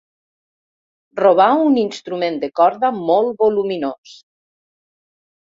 Robar un instrument de corda molt voluminós.